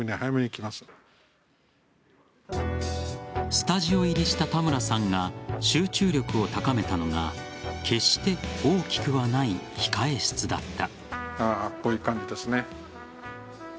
スタジオ入りした田村さんが集中力を高めたのが決して大きくはない控え室だった。